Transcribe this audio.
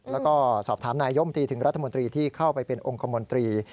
แล้วก็สอบถามนายยมตรีถึงรัฐมนตรีที่เข้าไปเป็นองค์คมนตรี